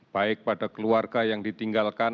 baik pada keluarga yang ditinggalkan